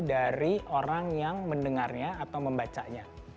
dari orang yang mendengarnya atau membacanya